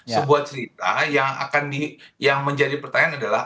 sebuah cerita yang menjadi pertanyaan adalah